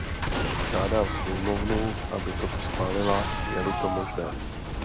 Žádám sněmovnu, aby toto schválila, je-li to možné.